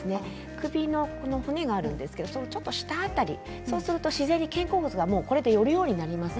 首の骨がありますがそのちょっと下辺りそうすると自然に肩甲骨が寄るようになります。